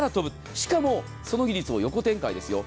しかもその技術を横展開ですよ。